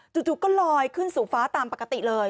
จู่ก็ลอยขึ้นสู่ฟ้าตามปกติเลย